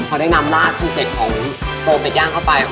พอได้นำลาดสูตรเด็ดของโปรเป็ดย่างเข้าไป